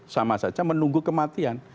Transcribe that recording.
sama saja menunggu kematian